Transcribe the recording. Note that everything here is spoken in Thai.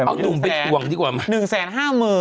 เอาหนุ่มไปตรวงดีกว่ามา